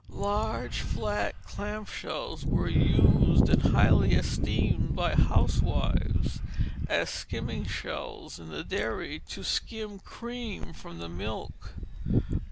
Large flat clam shells were used and highly esteemed by housewives, as skimming shells in the dairy, to skim cream from the milk.